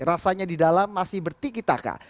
rasanya di dalam masih bertikitaka